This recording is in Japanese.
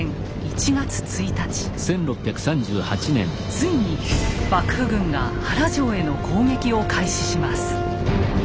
ついに幕府軍が原城への攻撃を開始します。